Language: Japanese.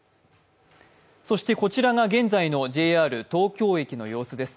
そしてこちらが現在のＪＲ東京駅の様子です。